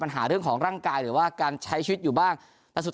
หาเรื่องของร่างกายหรือว่าการใช้ชีวิตอยู่บ้างแล้วสุด